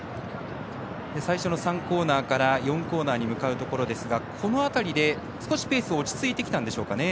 最初の３コーナーから４コーナーに向かうところですがこの辺りで、少しペース落ち着いてきたんでしょうかね。